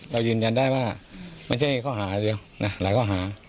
ยืนยันได้ว่าไม่ใช่ข้อหาเดียวนะหลายข้อหา